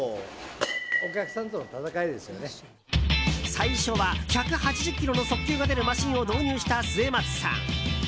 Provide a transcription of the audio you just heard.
最初は１８０キロの速球が出るマシンを導入した末松さん。